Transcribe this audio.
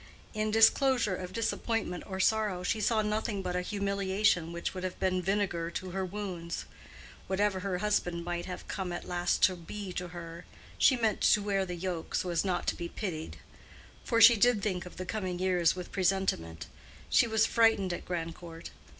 In disclosure of disappointment or sorrow she saw nothing but a humiliation which would have been vinegar to her wounds. Whatever her husband might have come at last to be to her, she meant to wear the yoke so as not to be pitied. For she did think of the coming years with presentiment: she was frightened at Grandcourt.